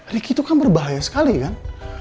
ricky itu kan berbahaya sekali kan